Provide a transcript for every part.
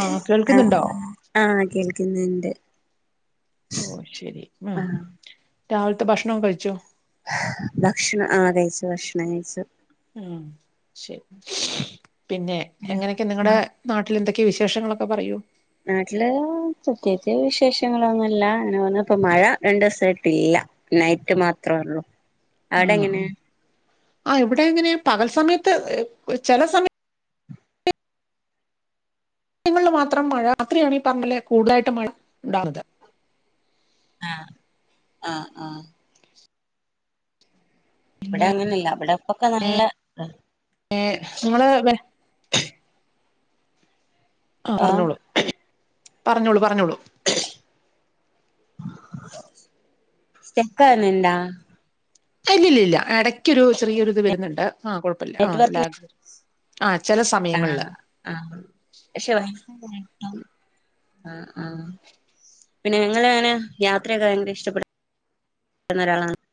ആ കേൾക്കുന്നുണ്ടോ ന്നുണ്ട് ഓ ശരി ആ രാവിലത്തെ ഭക്ഷണം കഴിച്ചോ ഭക്ഷണം ആഹ കഴിച്ചു ഭക്ഷണം കഴിച്ചു ഉ ശരി പിന്നെ എങ്ങനെയൊക്കെ നിങ്ങളുടെ നാട്ടിൽ എന്തൊക്ക വിശേഷങ്ങളൊക്കെ പറയൂ നാട്ടില് പ്രത്യേകിച്ച് വിശേഷങ്ങളൊന്നും ഇല്ല അങ്ങനെ വന്ന ഇപ്പ മഴ രണ്ടു ദിവസായിട്ടില്ല നൈറ്റ് മാത്രേള്ളു. അവിടെ എങ്ങനെ ആ ഇവിടെ എങ്ങനെ പകൽ സമയത്ത് ചില സമയ ങ്ങളു മാത്രം മഴ രാത്രിയാണ് പറഞ്ഞല്ലേ കൂടുതലായിട്ട് മഴ ഉണ്ടാവുന്നത് ആഹ ആഹ ഇവിടെ അങ്ങനെല്ല അവിടെ ഇപ്പൊക്കെ നല്ല ഏ നിങ്ങടെ ആഹ ആഹ് പറഞ്ഞോളൂ പറഞ്ഞോളൂ പറഞ്ഞോളൂ സ്റ്റക്കാവുന്നെ എന്താ ഇല്ല ഇല്ല ഇല്ല ഇടയ്ക്കൊരു ചെറിയൊരു ഇത് വരുന്നുണ്ട് ആഹ് കൊഴപ്പില്ലേ നെറ്റ്‌വർക്കിന് ആഹ് [unintelligible] ചില സമയങ്ങളില് ആഹ് ആഹാ പക്ഷെ [inaudible] [inaudible] ആഹ് ആഹ് പിന്നെ നിങ്ങളെങ്ങനാ യാത്രയൊക്കെ ഭയങ്കര ഇഷ്ടപ്പെടു [inaudible] ന്ന ഒരാളാ [inaudible]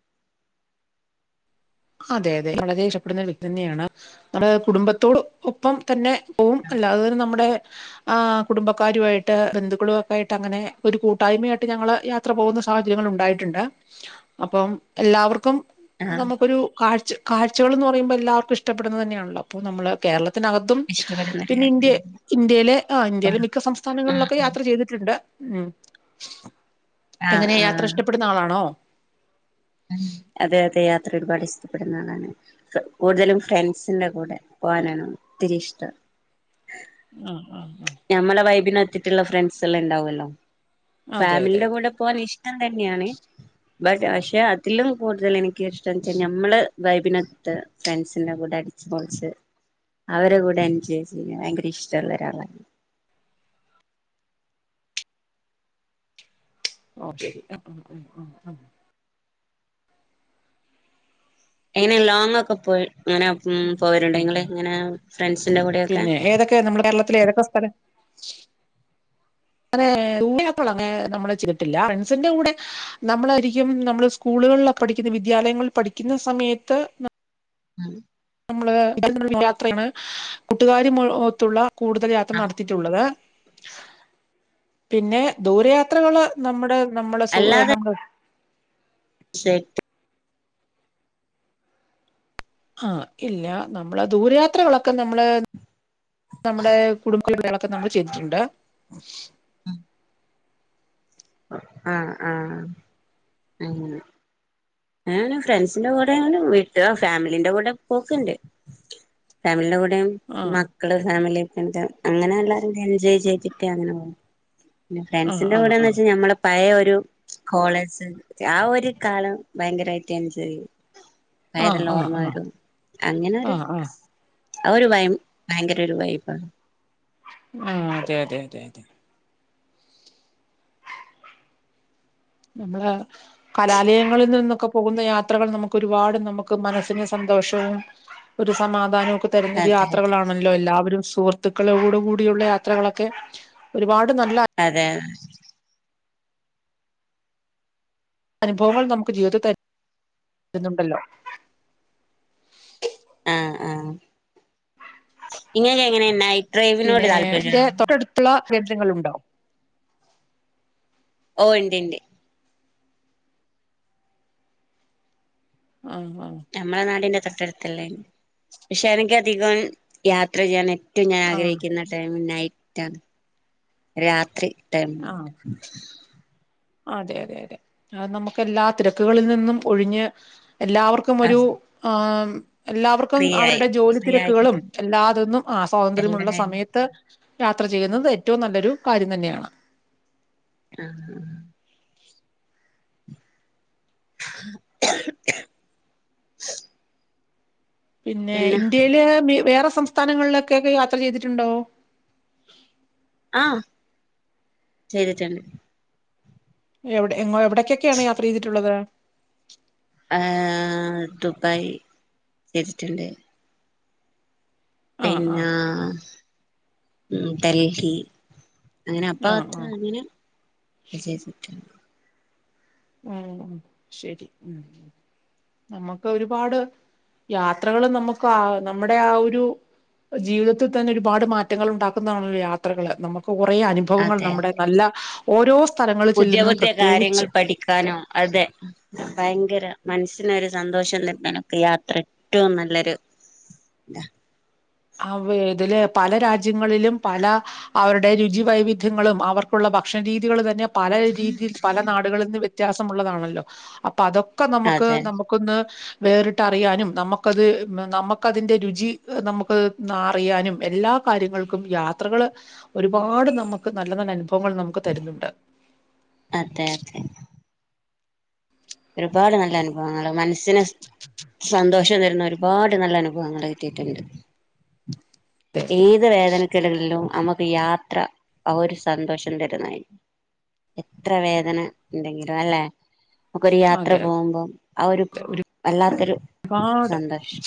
അതെ അതെ വളരെ ഇഷ്ടപ്പെടുന്ന വ്യക്തി തന്നെയാണ് നമ്മുടെ കുടുംബത്തോട് ഒപ്പം തന്നെ പോകും അല്ലാതെ തന്നെ നമ്മുടെ ആ കുടുംബക്കാരുമായിട്ട് ബന്ധുക്കളും ഒക്കെ ആയിട്ട് അങ്ങനെ ഒരു കൂട്ടായ്മയായിട്ട് ഞങ്ങള് യാത്ര പോകുന്ന സാഹചര്യങ്ങൾ ഉണ്ടായിട്ടുണ്ട് അപ്പം എല്ലാവർക്കും ആഹ് നമുക്കൊരു കാഴ്ച കാഴ്ചകൾ എന്നു പറയുമ്പോൾ എല്ലാവർക്കും ഇഷ്ടപ്പെടുന്ന തന്നെയാണല്ലോ അപ്പോൾ നമ്മള് കേരള ത്തിനകത്തും ഇഷ്ടപ്പെടുന്ന ഒരു പിന്നെ ഇന്ത്യ കാര്യം ഇന്ത്യയിലെ ആഹ് ഇന്ത്യയിലെ മിക്ക സംസ്ഥാനങ്ങളിലൊക്കെ ആഹ് യാത്ര ചെയ്തിട്ടുണ്ട് ഉം ആഹ് എങ്ങനെയാ യാത്ര ആഹ് ഇഷ്ടപ്പെടുന്ന ആളാണോ അതെ അതെ ഒരുപാട് ഇഷ്ടപ്പെടുന്ന ആളാണ് കൂടുതലും ഫ്രണ്ട്സിന്റെ കൂടെ പോകാനാണ് ഒത്തിരി ഇഷ്ടം ഉം [inaudible] ത്തിട്ടുള്ള ഫ്രണ്ട്സ് എല്ലാം ഉണ്ടാവുമല്ലോ അതെ അതെ ഫാമിലിയുടെ അതെ കൂടെ പോകൻ ഇഷ്ടം തന്നെയാണ് ബട്ട് പക്ഷെ അതിലും കൂടുതൽ എനിക്ക് ഇഷ്ടം വെച്ചൽ നമ്മള് വൈബിനൊത്ത് ഫ്രണ്ട്സിന്റെ കൂടെ അടിച്ചു പൊളിച്ച് അവരെ കൂടെ [unintelligible] ഭയങ്കര ഇഷ്ടമുള്ള ഒരാളാ [inaudible] എങ്ങനെ ലോങ്ങൊക്കെ പോയി അങ്ങനെ പോരുണ്ടോ ങ്ങള് ഇങ്ങനെ ഫ്രണ്ട്സിന്റെ കൂടെ ഒക്കെ പിന്നെ ഏതൊക്കെ നമ്മുടെ കേരളത്തിലെ ഏതൊക്കെ [unintelligible] അങ്ങനെ നമ്മള് ചെയ്തിട്ടില്ല ഫ്രണ്ട്സിന്റെ കൂടെ നമ്മളായിരിക്കും നമ്മള് സ്കൂളുകളിൽ പഠിക്കുന്ന വിദ്യാലയങ്ങളിൽ പഠിക്കുന്ന സമയത്ത് [inaudible] [inaudible] കൂട്ടുകാരുമൊത്തുള്ള കൂടുതൽ യാത്ര നടത്തിയിട്ടുള്ളത് പിന്നെ ദൂരെയാത്രകള് നമ്മുടെ നമ്മ അല്ലാതെ [unintelligible] [inaudible] ആഹ് ഇല്ല നമ്മള് ദൂരയാത്രകളൊക്കെ നമ്മള് നമ്മുടെ കുടുംബ [inaudible] [unintelligible] നമ്മള് ചെയ്തിട്ടുണ്ട് [inaudible] ആഹ ആഹ അ ഏഹ് ഫ്രണ്ട്സിന്റെ കൂടെ വിട്ടു ഫാമിലിന്റെ കൂടെ പോക്കണ്ട് ഫാമിലിന്റെ കൂടെ ആ മക്കള്, ഫാമിലി, എ അങ്ങനെ ഉള്ളരെ എൻജോയ് ചെയ്തിട്ടേ അങ്ങനെ പോ- ആ ഫ്രണ്ട്സിന്റെ ആ കൂടെന്ന് ആ വെച്ചാൽ നമ്മെ പഴ ഒരു- കോളേജ് ആ ഒരു കാലം ഭയങ്കരമായിട്ട് എൻജോയ് ചെയ്യും ആ വയതുള്ള ഓർമ്മ ആ ആ വരും അങ്ങനെ ആ ഒരു ആ അവര് ഒരുയ ഭയങ്കര ഒരു വൈ്പാണ് ആ അതെ അതെ അതെ അതെ നമ്മള് കലാലയങ്ങളിൽ നിന്ന- പോുന്ന യാത്രകൾ നമുക്ക് ഒരുപാട് നമുക്ക് മനസ്സിന് സന്തോഷവും ഒരു സമാധാനവും തെരഞ്ഞൊരു അതെ അതെ യാത്രകളാണല്ലോ എല്ലാവരും- സുഹൃത്തുക്കളോട് കൂടിയുള്ള യാത്രകളൊക്കെ ഒരുപാട്- നല്ല അതെതെ ഉ [unintelligible] അനുഭവങ്ങൾ നമുക്ക് ജീവിത വരുന്നുണ്ടല്ലോ ഇങ്ങൊക്കെ എങ്ങനെയന്ന ട്രൈവിനോട് താല്പര്യം ക്ഷബദങ്ങളുണ്ടോ [unintelligible] ഓ ഉണ്ട് ഉണ്ട് ആഹ് ആഹ് നമ്മളെ നാടിന്റെ- തൊട്ടടുത്തല്ലേ പക്ഷെ എനിക്ക് അധികം യാത്ര ചെയ്യാനെ [unintelligible] ഞാൻ ആഹ് ആഗ്രഹിക്കുന്ന ടൈം നൈറ്റ് രാ രാത്രി ആഹ് [unintelligible] അതെ അതെ അതെ അത് നമുക്ക് എല്ലാ തെരക്കുകളിൽ നിന്നും ഒഴിഞ്ഞ് എല്ലാവർക്കും ഒരു ആഹ് ആം എല്ലാവർക്കും ഫ്രീ ആയി അവരുടെ ജോലി ഫ്രീ ആയി തിരക്കുകളും കിട്ടും എല്ലാതന്നും ആ എല്ലാ സ്വാതന്ത്ര്യമുള്ള ടൈമും സമയത്ത് യാത്ര ചെയ്യുന്നത് ഏറ്റവും നല്ലൊരു കാര്യം തന്നെയാണ് ഉം പിന്നെ ഇന്ത്യയില് മി വേറെ സ് സംസ്ഥാനങ്ങളിലൊക്കെ [unintelligible] യാത്ര ചെയ്തിട്ടുണ്ടോ ആഹ് ചെയ്തിട്ടുണ്ട് എവിടെ എങ്ങോ എവിട് യ്ക്കൊക്കെയാണ് യാത്ര ചെയ്തിട്ടുള്ളത് ഏ ദുബായ് ചെയ്തിട്ടുണ്ട് ആഹ് പിന്നാ ആഹ് ഉം ഡൽഹി അങ്ങനെ അപ്പ ആഹ് അത്ര ആഹ് അങ്ങനെ ചെയ്തിട്ടുണ്ട് ഉം ശരി നമുക്ക് ഒരുപാട് യാത്രകള് നമുക്ക് ആ നമ്മുടെ ആ ഒരു ജീവിതത്തിൽ തന്നെ ഒരുപാട് മാറ്റങ്ങൾ ഉണ്ടാക്കുന്നതാണല്ലോ യാത്രകള് നമു ക്ക് കുറെ അനുഭവങ്ങൾ അതെ നമ്മുടെ അതെ നല്ല ഓരോ സ്ഥലങ്ങളിൽ പുതിയ ചെല്ലുന്നും പുതിയ പ്രത്യേകിച്ച് കാര്യങ്ങൾ പഠിക്കാനും അതെ ഭയങ്കര മനസ്സിനൊരു സന്തോഷം തരാനൊക്കെ യാത്ര ഏറ്റവും നല്ലൊരു താ അവ ഇതില് പല രാജ്യങ്ങളിലും പല അവരുടെ രുചി വൈവിധ്യങ്ങളും അവർക്കുള്ള ഭക്ഷണ രീതികള് തന്നെ പല രീതിൽ പല നാടുകളിൽ നിന്ന് വ്യത്യാസമുള്ളതാണല്ലോ അപ്പൊ അതൊക്കെ നമുക്ക് അതെ നമുക്കൊന്ന് വേറിട്ട് അറിയാനും നമുക്കത് നമുക്കതിന്റെ രുചി നമു ക്ക് അറിയാനും എല്ലാ കാര്യങ്ങൾക്കും യാത്രകള് ഒരുപാട് നമുക്ക് നല്ല നല്ല അനുഭ വങ്ങൾ നമുക്ക് തരുന്നുണ്ട് അതെ അതെ ഒരുപാട് നല്ല അനുഭവങ്ങൾ മൻ സിന് സന്തോഷം തരുന്ന ഒരുപാട് നല്ലന ഭവങ്ങള് കിട്ടീട്ടുണ്ട് ഏത് വേദനക്കിടലിലും നമുക്ക് യാത്ര ആ ഒരു സന്തോഷം തരുന്ന എത്ര വേദന ഉണ്ടങ്കിലും അല്ലെ നമുക്ക് ഒരു യാത്ര അതെ പോകുമ്പോം ആ ഒരു അതെ വല്ലാത്തൊരു ഒരുപാട് സന്തോഷം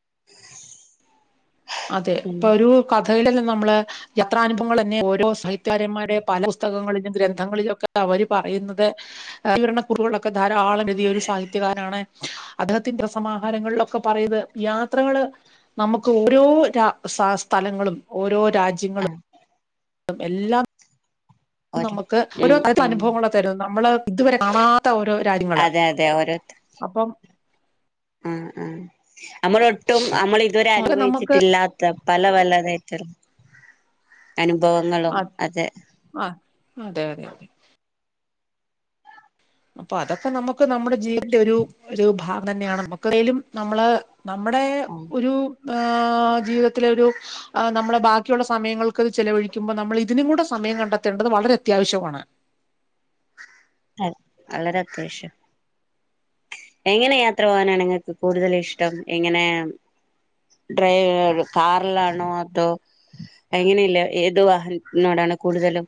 [unintelligible] അതെ ഇപ്പൊ പിന്നെ ഒരു ക ഥയിലന്നെ നമ്മള് എത്രാനുഭവങ്ങൾ ന് ഓരോ സാഹിത്യകാരന്മാരെ പല പുസ്തകങ്ങളിലും ഗ്രന്ഥങ്ങളിലും ഒക്കെ അവര് പറയുന്നത് വിവരണക്കുറിപ്പുകളൊക്കെ ധാരാളം എഴുതിയ ഒരു സാഹിത്യകാരനാണ് അദ്ദേഹത്തിന്റെ സമാഹാരങ്ങളിലൊക്കെ പറയത് യാത്രകൾ നമുക്ക് ഓരോ സ്ഥലങ്ങളും ഓരോ ആ രാജ്യങ്ങളും ഉം എല്ലാം ഒരു നമുക്ക് ഓരോ ഉം [unintelligible] ത്ത ഉം അനുഭവങ്ങളാ തരു നമ്മള് ഇതുവരെ കാണാ ത്തഓരോ രാജ്യങ്ങള് അതെ അതെ ഓരോരുത്ത അപ്പം ഉം നമ്മളൊട്ടും നമ്മൾ ഇതുവരെ അത് നമുക്ക് അനുഭവിച്ചിട്ടില്ലാത്ത തല വല്ലാതായിട്ട് അനുഭവങ്ങളും ആ അത് ആ അതെ അതെ അതെ അപ്പൊ അതൊക്കെ നമുക്ക് നമ്മുടെ ജീവിതന്റെ ഒരു ഒരു ഭാവം തന്നെയാണ് നമ്മുക്ക് എന്തലും നമ്മള നമ്മുടെ ഉം ഒരു ഏ ജീവിതത്തിലെ ഒരു നമ്മളെ ബാക്കിയുള്ള സമയങ്ങൾക്ക്ത് ചെലവഴിക്കുമ്പോൾ നമ്മൾ ഇതിനും കൂടെ സമയം കണ്ടെത്തേണ്ടത് വളരെ അത്യാവശ്യമാണ് ആ വളരെ അത്യാവശ്യം എങ്ങനെ യാത്ര പോവാനാണ് നിങ്ങൾക്ക് കൂടുതൽ ഇഷ്ടം എങ്ങനെ ഡ്രൈവിലാണ് കാറിലാണ് ആൾട്ടോ അതോ അങ്ങനെയല്ല ഏത് വാഹനനോടാണ് കൂടുതലും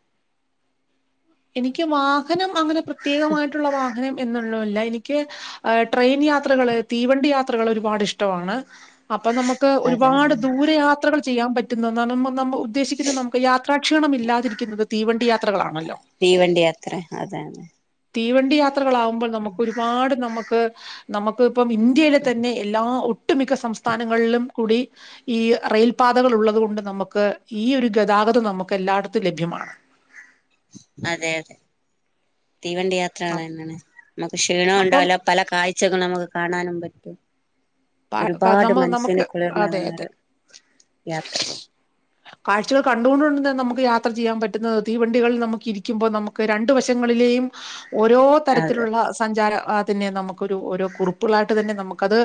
എനിക്ക് വാഹനം അങ്ങനെ പ്രത്യേകമായിട്ടുള്ള വാഹനം എന്നുള്ളല്ല എനിക്ക് ട്രെയിൻ യാത്രകള് തീവണ്ടി യാത്രകൾ ഒരുപാട് ഇഷ്ടമാണ് അപ്പൊ നമുക്ക് ഒരുപാട് അതാണ് ദൂര യാത്രകൾ ചെയ്യാൻ പറ്റുന്നാണ് ന [inaudible] ഉദ്ദേശിക്കുന്നത് നമുക്ക് യാത്ര ഭക്ഷണമില്ലാതിരിക്കുന്നത് തീവണ്ടിയ യാത്ര യാത്രകളാണല്ലോ തീവണ്ടി യാത്ര അതതെ തീവണ്ടി യാത്ര യാത്രകളാവുമ്പോൾ നമുക്ക് ഒരുപാട് നമുക്ക് നമുക്ക് ഇപ്പം ഇന്ത്യയിലെ തന്നെ എല്ലാ ഒട്ട മിക്ക സംസ്ഥാനങ്ങളിലും കൂടി ഈ റെയിൽ പാതകൾ ഉള്ളത് കൊണ്ട് നമുക്ക് ഈ ഒരു ഗതാഗതം നമുക്ക് എല്ലായിടത്തും ലഭ്യമാണ് അതെ അതെ തീവണ്ടി യാത്രക അ- തന്നാണ് നമുക്ക് ക്ഷീണവും അപ്പം ഉണ്ടാവില്ല പല കാ [inaudible] നമുക്ക് കാണാനും പറ്റും പ- ക- ഒരുപാട് നമ്മ മനുഷ്യന് നമുക്ക് അതെ കുളിർമൽകുന്നൊരു യാത്ര കാഴ്ചകൾ കണ്ടുകൊണ്ട്ുകൊണ്ട് തന്നെ നമുക്ക് യാത്ര ചെയ്യാൻ പറ്റുന്നത് തീവണ്ടികളിൽ നമുക്ക് ഇരിക്കുമ്പോൾ നമുക്ക് രണ്ടു വശങ്ങളിലെയും- ഓരോ അതെ തരത്തിലുള്ള സഞ്ചാര- അതിനന്നെ നമുക്കൊരു ഓരോ കുറിപ്പുകളായിട്ട് തന്നെ നമുക്കത്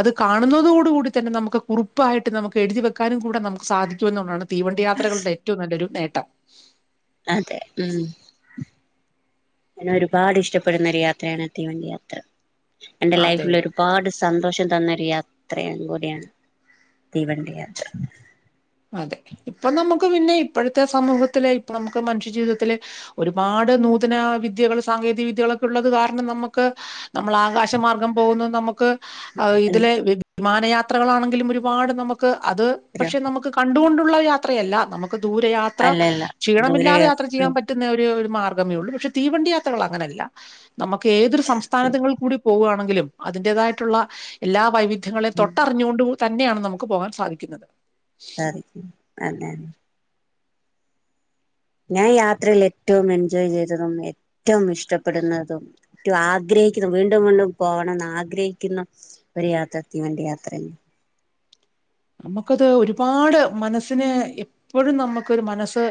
അത് കാണുന്നതോട കൂടി തന്നെ നമുക്ക് കുറിപ്പായിട്ട് നമുക്ക് എഴുതി വെക്കാനും കൂടെ നമുക്ക് സാധിക്കുമ എന്നുള്ളതാണ് തീവണ്ട യാത്രകളുടെ ഏറ്റവും നല്ലരു കുട്ട [unintelligible] അതെ ഉം ഞാൻ ഒരുപാട് ഇഷ്ടപ്പെടുന്ന ഒരു യാത്രയാണ് തീവണ്ടി യാത്ര എന്റെ അതെ ലൈഫിൽ ഒരുപാട് സന്തോഷം തന്നൊരു യാത്രയും കൂടിയാണ് തീവണ്ടി യാത്ര അതെ ഇപ്പൊ നമുക്ക് പിന്നെ ഇപ്പോഴത്തെ സമൂഹത്തില ഇപ്പൊ നമുക്ക് മനുഷ്യ ജീവിതത്തില് ഒരുപാട് നൂതന വിദ്യകൾ സാങ്കേതിക വിദ്യകളൊക്കെ ഉള്ളത് കാരണം നമുക്ക് നമ്മൾ ആകാശ മാർഗ്ഗം പോകുന്നു നമുക്ക് ആ ഇതിലെ വിമാനയാത്രകളാണെങ്കിലും ഒരുപാട് നമുക്ക് അത് പക്ഷെ നമുക്ക് കൊണ്ടുള്ള യാത്രയല്ല ന ദൂരയാത്ര അല്ലല്ല ക്ഷീണമില്ലാതെ യാത്ര ദൂരയാത്ര ചെയ്യാൻ പറ്റുന്ന ഒരു മാർഗമേ ഉള്ളൂ പക്ഷെ തീവണ്ടി യാത്രകൾ അങ്ങനെയല്ല നമുക്ക് ഏതൊരു സംസ്ഥാനത്തിൽ കൂടി പോകുകയാണെങ്കിലും അതിന്റേതായിട്ടുള്ള എല്ലാ വൈവിധ്യ- ദ്യങ്ങളെ തൊട്ടറിഞ്ഞുകൊണ്ട് തന്നെയാണ് നമുക്ക് പോകാൻ സാധിക്കുന്നത് [unintelligible] ഞാൻ യാത്രയിൽ ഏറ്റവും എൻജോയ് ചെയ്തതും ഏറ്റവും ഇഷ്ടപ്പെടുന്നതും ഏറ്റവും ആഗ്രഹിക്കുന്നത വീണ്ടും വീണ്ടും പോകണംന്ന് ആഗ്രഹിക്കുന്ന ഒരു യാത്ര തീവണ്ടി യാത്രയാണ് നമുക്കത് ഒരുപാട് മനസ്സിന് എപ്പോഴും നമുക്കൊരു മനസ്സ്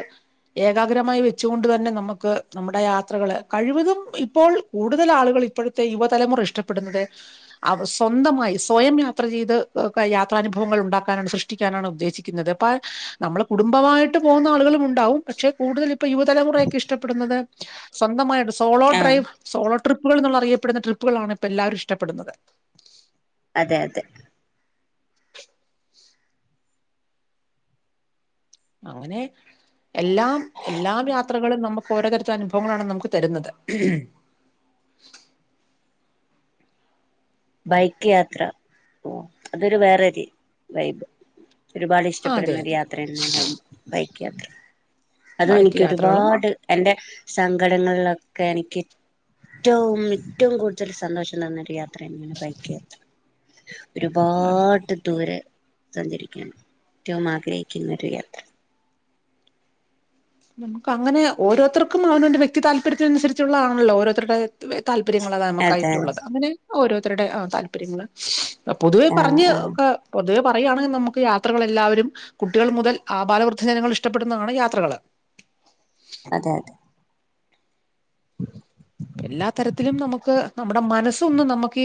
ഏകാഗ്രമായി വെച്ചു കൊണ്ട് തന്നെ നമുക്ക് നമ്മുടെ യാത്രകള് കഴിവതും ഇപ്പോൾ കൂടുതൽ ആളുകൾ ഇപ്പോഴത്തെ യുവതലമുറ ഇഷ്ടപ്പെടുന്നത് സ്വന്തമായി സ്വയം യാത്ര ചെയ്ത് യാത്രാനുഭവങ്ങൾ ഉണ്ടാക്ക സൃഷ്ടിക്കാനാണ് ഉദ്ദേശിക്കുന്നത് അപ്പ നമ്മള് കുടുംബമായിട്ട് പോകുന്ന ആളുകളും ഉണ്ടാവും പക്ഷെ കൂടുതൽ ഇപ്പൊ യുവതലമുറയൊക്കെ ഇഷ്ടപ്പെടുന്നത് സ്വന്തമായി സോളോ ആഹ് ഡ്രൈവ് സോളോ ട്രിപ്പുകൾന്നുള്ള അറിയപ്പെടുന്ന ട്രിപ്പുകളാണ് ഇപ്പ എല്ലാവരും ഇഷ്ടപ്പെടുന്നത് അതെ അതെ അങ്ങനെ എല്ലാം എല്ലാം യാത്രകളും നമുക്ക് ഓരോ തരത്തിൽ അനുഭവങ്ങളാണ് നമുക്ക് തരുന്നത് ബൈക്ക് യാത്ര ഓ അതൊരു വേറൊരു വൈബ് ഒരുപാട് ആ അതെ ഇഷ്ടപ്പെടുന്ന ഒരു അതെ യാത്ര തന്നെയാണ് ബൈക്ക് യാത്ര അതും ബൈക്ക് എനിക്ക് യാത്രകളും ആ ഒരുപാട് എന്റെ സങ്കടങ്ങളിലൊക്കെ എനിക്ക് ഏറ്റവും ഏറ്റവും കൂടുതൽ സന്തോഷം തന്നൊ ഒരു യാത്ര ബൈക്ക് യാത്ര അതെ ഒരുപാട് ദൂരെ സഞ്ചരിക്കണം ഏറ്റവും ആഗ്രഹിക്കുന്ന ഒരു യാത്ര നമുക്ക് അങ്ങനെ ഓരോരുതർക്കും അവനവന്റെ വ്യക്തി താല്പര്യത്തിനുസരിച്ചുള്ള ആണല്ലോ ഓരോരുത്തരുടെ താത്പര്യങ്ങള അതാണ് അതെ നമുക്കായിട്ടുള്ളത് അങ്ങനെ ഓരോരുത്തരുടെ താല്പര്യങ്ങള് പൊതുവേ ആഹ് പറഞ്ഞ് ആഹ് പൊതുവെ പറയുകയാണെങ്കിൽ നമുക്ക് യാത്രകൾ എല്ലാവരും കുട്ടികൾ മുതൽ ആ ബാലവൃദ്ധജനങ്ങൾ ഇഷ്ടപ്പെടുന്നതാണ് യാത്രകൾ അതെ അതെ എല്ലാ തരത്തിലും നമുക്ക് നമ്മുടെ മനസ് ഒന്ന് നമ്മുക്ക്